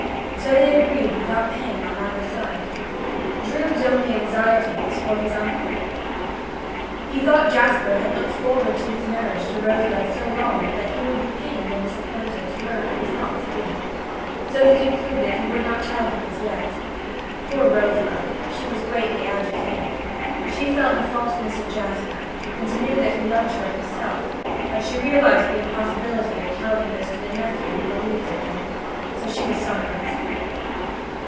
So they agreed without pain on either side. Drood's only anxiety was for his uncle. He thought Jasper had looked forward to his marriage to Rosebud so long that he would be pained and disappointed to learn it was not to be. So he concluded he would not tell him as yet. Poor Rosebud! She was greatly agitated. She felt the falseness of Jasper, and knew that he loved her himself, but she realized the impossibility of telling this to the nephew who believed in him. So she was silent.